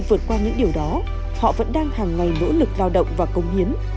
vượt qua những điều đó họ vẫn đang hàng ngày nỗ lực lao động và công hiến